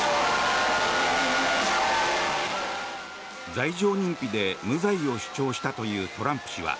罪状認否で無罪を主張したというトランプ氏は